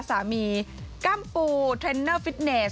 สามีกล้ามปูเทรนเนอร์ฟิตเนส